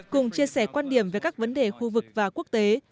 cùng chia sẻ quan điểm về các vấn đề khu vực và quốc tế